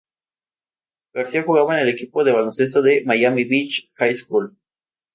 García jugaba en el equipo de baloncesto de Miami Beach High School.